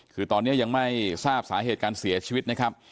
คือตอนนี้ยังไม่ทราบสาเหตุการเสียชีวิตนะครับ